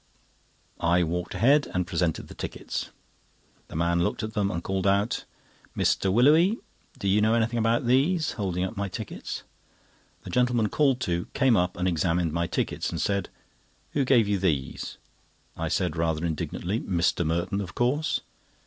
I walked ahead and presented the tickets. The man looked at them, and called out: "Mr. Willowly! do you know anything about these?" holding up my tickets. The gentleman called to, came up and examined my tickets, and said: "Who gave you these?" I said, rather indignantly: "Mr. Merton, of course."